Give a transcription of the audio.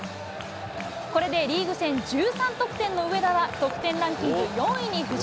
これでリーグ戦１３得点の上田は、得点ランキング４位に浮上。